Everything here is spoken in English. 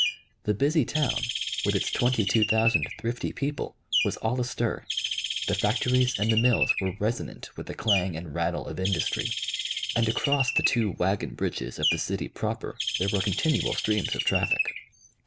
The busy town, with its twenty two thousand thrifty people, was all astir. The factories and the mills were resonant with the clang and rattle of industry, and across the two wagon bridges of the city proper there were continual streams of traffic.